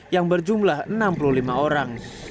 yang berjumlah enam puluh lima orang